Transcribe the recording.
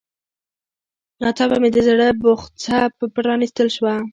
ناڅاپه مې د زړه بوخڅه په پرانيستل شوه.